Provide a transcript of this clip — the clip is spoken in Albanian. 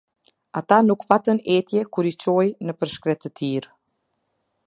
Ata nuk patën etje kur i çoi nëpër shkretëtirë.